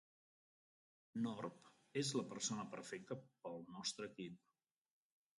Norv és la persona perfecte pel nostre equip.